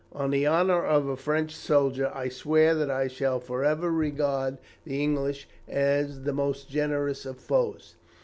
On the honour of a French soldier, I swear that I shall for ever regard the English as the most generous of foes.'